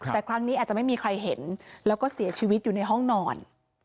แต่ครั้งนี้อาจจะไม่มีใครเห็นแล้วก็เสียชีวิตอยู่ในห้องนอน